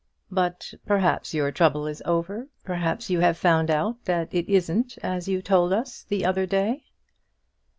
"But perhaps your trouble is over? Perhaps you have found out that it isn't as you told us the other day?"